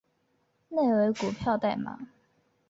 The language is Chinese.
内为股票代码